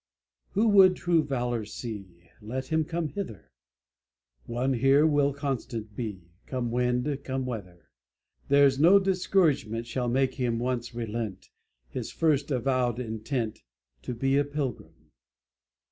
"Who would true valor see, Let him come hither; One here will constant be, Come wind, come weather; There's no discouragement Shall make him once relent His first avowed intent To be a pilgrim.